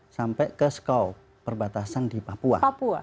sampai ke skau perbatasan di papua